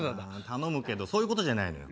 頼むけどそういうことじゃないのよ。